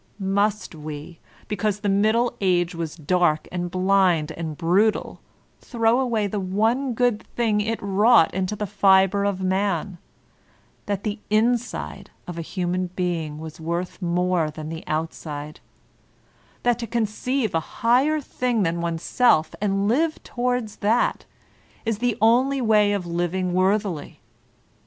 Must we, because the Middle Agt was dark and blind and brutal, thn^w awny the one pood thing it wrought into the fihro of M.in. that the inside of a human hting Thb Dominant Idea 91 was worth more than the outside? that to conceive a higher thing than oneself and Uve toward that is the only way of living worthily?